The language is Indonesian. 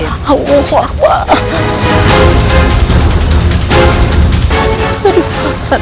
aduh kuduku mahatu